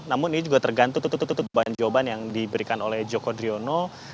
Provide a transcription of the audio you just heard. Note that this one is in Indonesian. namun ini juga tergantung jawaban yang diberikan oleh joko driono